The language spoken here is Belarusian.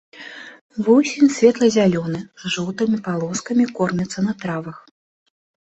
Вусень светла-зялёны з жоўтымі палоскамі, корміцца на травах.